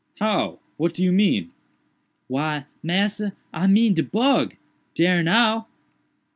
"How? what do you mean?" "Why, massa, I mean de bug—dare now."